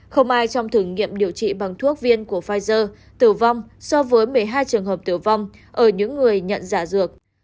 không ai trong thử nghiệm điều trị bằng thuốc viên của pfizer tử vong so với một mươi hai trường hợp tử vong ở những người nhận giả dược